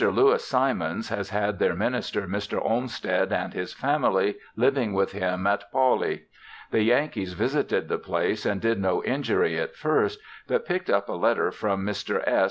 Lewis Simons has had their minister Mr. Olmsted and his family living with him at Pawley. The Yankees visited the place and did no injury at first, but picked up a letter from Mr. S.